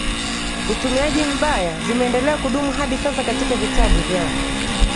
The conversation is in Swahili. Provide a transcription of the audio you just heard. utumiaji mbaya zimeendelea kudumu hadi sasa katika vitabu vya